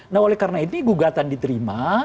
nah oleh karena itu gugatan diterima